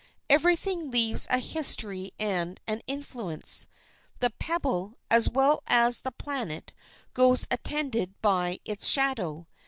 Every thing leaves a history and an influence. The pebble, as well as the planet, goes attended by its shadow.